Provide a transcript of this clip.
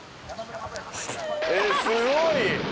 「えっすごい！」